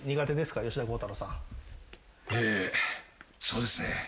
そうですね。